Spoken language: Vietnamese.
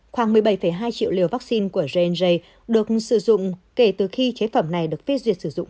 khoảng một mươi bảy hai triệu liều vaccine của gngj được sử dụng kể từ khi chế phẩm này được phê duyệt sử dụng